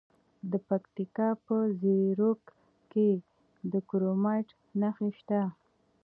د پکتیکا په زیروک کې د کرومایټ نښې شته.